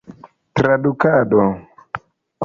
tradukado